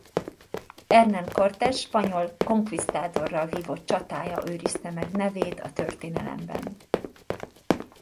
Hernán Cortés spanyol konkvisztádorral vívott csatája őrizte meg nevét a történelemben.